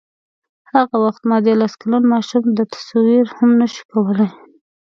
هغه وخت ما دیارلس کلن ماشوم دا تصور هم نه شو کولای.